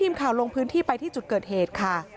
ทีมข่าวลงพื้นที่ไปที่จุดเกิดเหตุค่ะ